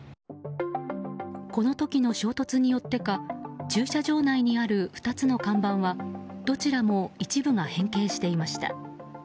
この時の衝突によってか駐車場内にある２つの看板は、どちらも一部が変形していました。